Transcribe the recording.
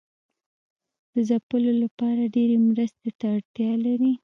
د ځپلو لپاره ډیرې مرستې ته اړتیا لري.